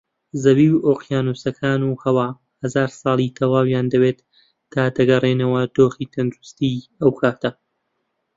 زەوی و ئۆقیانووسەکان و هەوا هەزار ساڵی تەواویان دەوێت تا دەگەڕێنەوە دۆخی تەندروستانەی ئەوکاتە